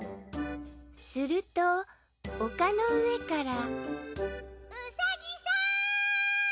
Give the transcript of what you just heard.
すると丘の上からうさぎさん！